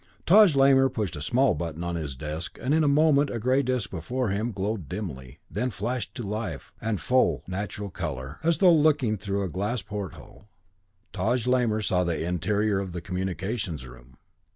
Taj Lamor pushed a small button on his desk and in a moment a gray disc before him glowed dimly, then flashed into life and full, natural color. As though looking through a glass porthole, Taj Lamor saw the interior of the Communications Room.